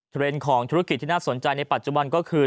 เทรนด์ของธุรกิจที่น่าสนใจในปัจจุบันก็คือ